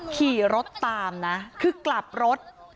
ขี่รถตามนะคือกลับรถ